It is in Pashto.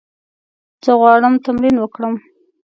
زه غواړم تمرین وکړم.